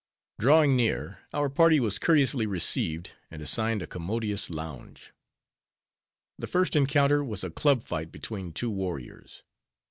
Drawing near, our party was courteously received, and assigned a commodious lounge. The first encounter was a club fight between two warriors.